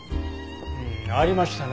うんありましたね。